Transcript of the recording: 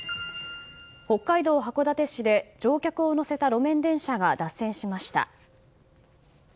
北海道函館市で乗客を乗せた路面電車が脱線しました。